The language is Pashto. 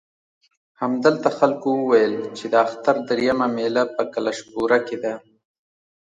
همدلته خلکو وویل چې د اختر درېیمه مېله په کلشپوره کې ده.